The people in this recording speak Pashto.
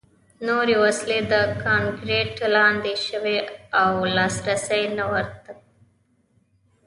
نورې وسلې د کانکریټ لاندې شوې وې او لاسرسی نه ورته و